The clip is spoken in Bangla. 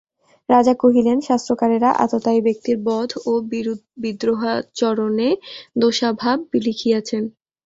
রাজা কহিলেন, শাস্ত্রকারেরা আততায়ী ব্যক্তির বধ ও বিদ্রোহাচরণে দোষাভাব লিখিয়াছেন।